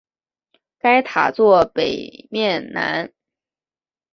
该塔座北面南。